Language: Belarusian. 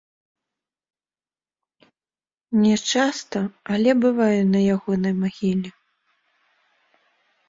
Не часта, але бываю на ягонай магіле.